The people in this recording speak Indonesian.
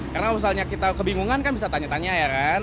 karena misalnya kita kebingungan kan bisa tanya tanya ya kan